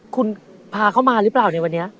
คุณพาเขามาหรือเปล่าในวันนี้